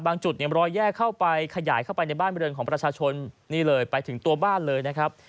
จุดเนี่ยรอยแยกเข้าไปขยายเข้าไปในบ้านบริเวณของประชาชนนี่เลยไปถึงตัวบ้านเลยนะครับ